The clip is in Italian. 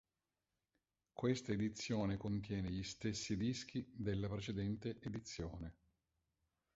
Questa edizione contiene gli stessi dischi della precedente edizione.